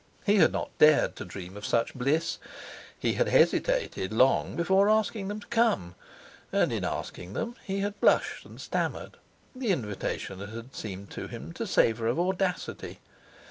He had not dared to dream of such bliss. He had hesitated long before asking them to come, and in asking them he had blushed and stammered: the invitation had seemed to him to savour of audacity.